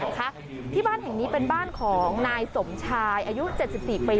ที่บ้านแห่งนี้เป็นบ้านของนายสมชายอายุ๗๔ปี